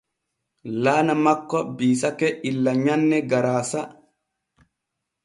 Laana makko biisake illa nyanne garaasa.